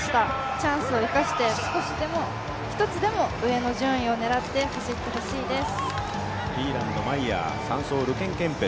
チャンスを生かして１つでも上の順位を狙って走ってほしいです。